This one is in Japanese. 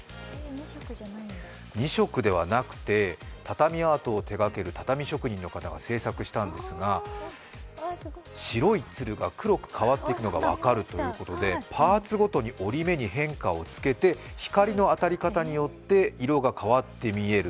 ２色ではなくて、畳アートを手がける畳職人の方が製作したんですが、白い鶴が黒く変わっていくのが分かるということでパーツごとに折り目に変化をつけて光の当たり方によって色が変わって見える。